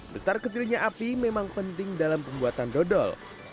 besar kecilnya api memang penting dalam pembuatan dodol